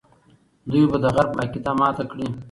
دوی به د غرب عقیده ماته کړي.